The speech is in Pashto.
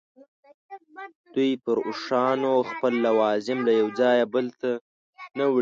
دوی پر اوښانو خپل لوازم له یوه ځایه بل ته نه وړي.